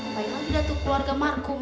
bayangin aja tuh keluarga markum